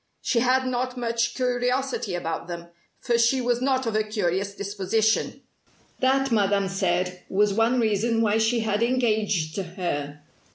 She had not much curiosity about them, for she was not of a curious disposition. That, Madame said, was one reason why she had engaged her.